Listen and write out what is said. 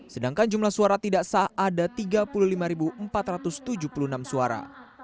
sedangkan jumlah suara tidak sah ada tiga puluh lima empat ratus tujuh puluh enam suara